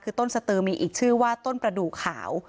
คือต้นสตือมีอีกชื่อว่าต้นประดูกขาว